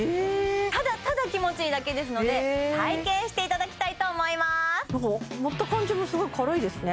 ただただ気持ちいいだけですので体験していただきたいと思いますなんか持った感じもすごい軽いですね